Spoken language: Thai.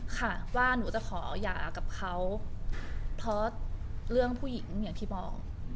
ค่ะว่าหนูจะขอหย่ากับเขาเพราะเรื่องผู้หญิงอย่างที่บอก